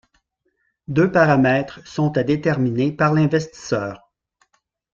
Deux paramètres sont à déterminer par l'investisseur.